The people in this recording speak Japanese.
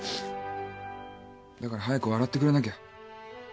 だから早く笑ってくれなきゃ。